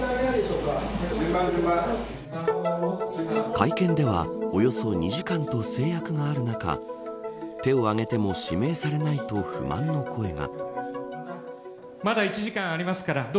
会見ではおよそ２時間と制約がある中手を上げても指名されないと不満の声が。